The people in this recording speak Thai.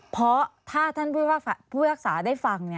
เพราะถ้าท่านผู้พิภาคฝากฝ่ายได้ฟัง